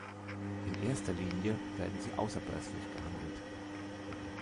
In erster Linie werden sie außerbörslich gehandelt.